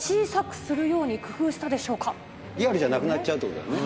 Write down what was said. リアルじゃなくなっちゃうってことだよね？